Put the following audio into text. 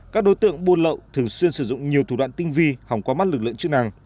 các đối tượng buôn lậu thường xuyên sử dụng nhiều thủ đoạn tinh vi hỏng qua mắt lực lượng chức năng